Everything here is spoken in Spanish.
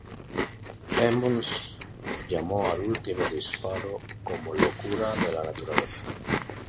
Emmons llamó al último disparo como "locura de la naturaleza.